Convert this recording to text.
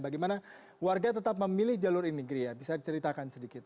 bagaimana warga tetap memilih jalur ini gria bisa diceritakan sedikit